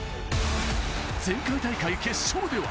前回大会決勝では。